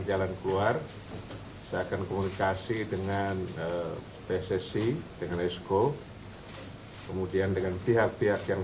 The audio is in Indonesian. jalan keluar saya akan komunikasi dengan pssi dengan esko kemudian dengan pihak pihak yang